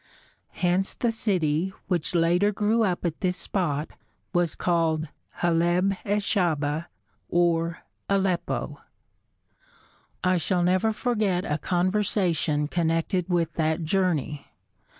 Hence the city, which later grew up at this spot, was called Haleb es Shahba, or Aleppo. I shall never forget a conversation connected with that journey.